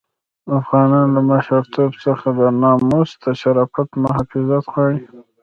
افغانان له مشرتوب څخه د ناموس د شرافت محافظت غواړي.